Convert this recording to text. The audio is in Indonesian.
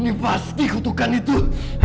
ini pasti kutukan itu